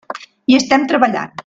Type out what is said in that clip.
Hi estem treballant.